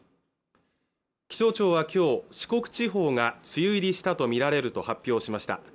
気象庁は今日四国地方が梅雨入りしたとみられると発表しました